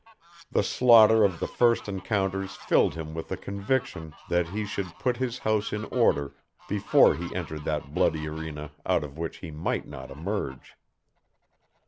The slaughter of the first encounters filled him with the conviction that he should put his house in order before he entered that bloody arena out of which he might not emerge.